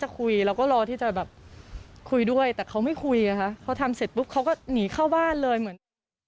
เข้าบ้านเลยเหมือน